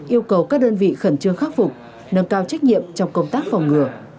yêu cầu các đơn vị khẩn trương khắc phục nâng cao trách nhiệm trong công tác phòng ngừa